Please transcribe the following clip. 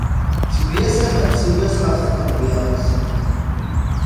Ttemyasament tullas ɣef tqendyar-nsent.